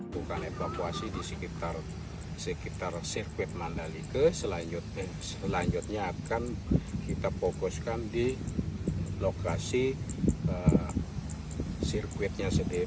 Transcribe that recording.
bukan evakuasi di sekitar sirkuit mandalika selanjutnya akan kita fokuskan di lokasi sirkuitnya sendiri